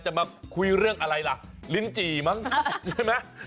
มาคุยเรื่องอะไรล่ะลิ้นจี่มั้งใช่ไหม